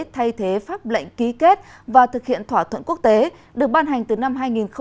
thay thế pháp lệnh ký kết và thực hiện thỏa thuận quốc tế được ban hành từ năm hai nghìn bảy